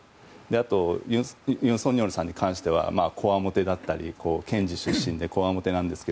あと、尹錫悦さんに関してはこわもてだったり検事出身でこわもてなんですが。